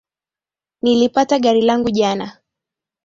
Nilipata gari langu jana